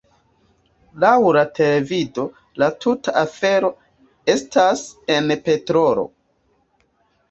Laŭ la televido la tuta afero estas en petrolo.